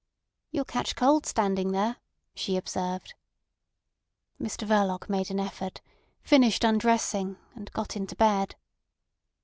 "You'll catch cold standing there," she observed. Mr Verloc made an effort, finished undressing, and got into bed.